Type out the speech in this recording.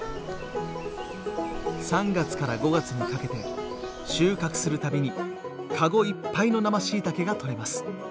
３月から５月にかけて収穫するたびに籠いっぱいの生しいたけがとれます。